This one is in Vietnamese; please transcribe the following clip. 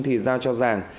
thì giao cho giàng